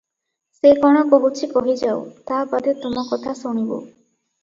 ସେ କଣ କହୁଛି କହିଯାଉ, ତା ବାଦେ ତୁମ କଥା ଶୁଣିବୁଁ ।"